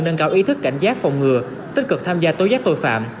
nâng cao ý thức cảnh giác phòng ngừa tích cực tham gia tố giác tội phạm